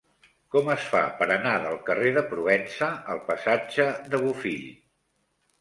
Com es fa per anar del carrer de Provença al passatge de Bofill?